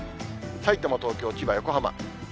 さいたま、東京、千葉、横浜。